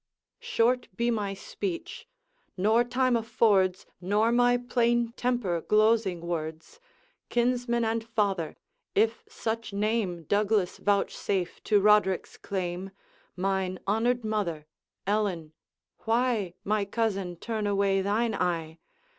'Short be my speech; nor time affords, Nor my plain temper, glozing words. Kinsman and father, if such name Douglas vouchsafe to Roderick's claim; Mine honored mother; Ellen, why, My cousin, turn away thine eye?